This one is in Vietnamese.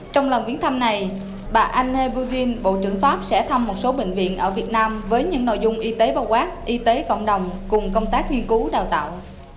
trong lần biến thăm này bà anair putin bộ trưởng pháp sẽ thăm một số bệnh viện ở việt nam với những nội dung y tế bào quát y tế cộng đồng cùng công tác nghiên cứu đào tạo